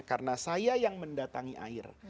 karena saya yang mendatangi air